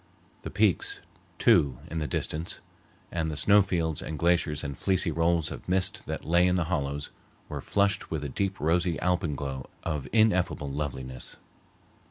The peaks, too, in the distance, and the snow fields and glaciers and fleecy rolls of mist that lay in the hollows, were flushed with a deep, rosy alpenglow of ineffable loveliness.